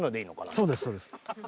そうですそうです。